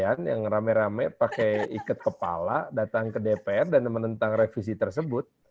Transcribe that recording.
kemudian yang rame rame pakai ikat kepala datang ke dpr dan menentang revisi tersebut